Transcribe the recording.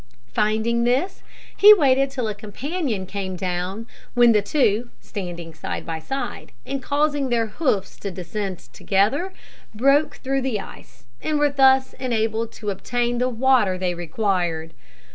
Finding this, he waited till a companion came down, when the two, standing side by side, and causing their hoofs to descend together, broke through the ice, and were thus enabled to obtain the water they required.